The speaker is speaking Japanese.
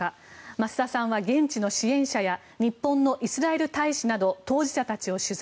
増田さんは現地の支援者や日本のイスラエル大使など当事者たちを取材。